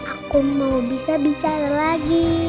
aku mau bisa bicara lagi